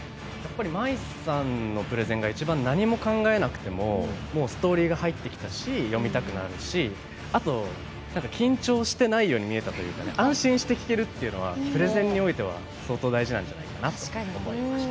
まいさんのプレゼンが一番何も考えなくてももうストーリーが入ってきたし読みたくなるしあと緊張してないように見えたというかね安心して聞けるっていうのはプレゼンにおいては相当大事なんじゃないかなと思いました。